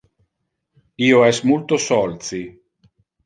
Io es multo sol ci.